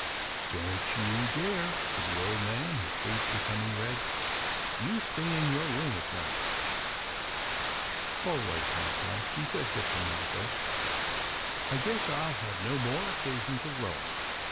" Don't you dare," said the old man, his face becoming red. " You stay in your room at night." " All right, grampa," she said diplomatically, " I guess I'll have no more occasion to roam.